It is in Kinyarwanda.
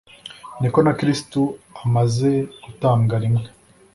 ni ko na kristo amaze gutambwa rimwe